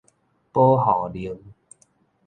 保護令